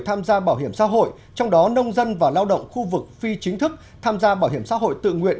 tham gia bảo hiểm xã hội trong đó nông dân và lao động khu vực phi chính thức tham gia bảo hiểm xã hội tự nguyện